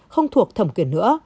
không thuộc thẩm quyền nữa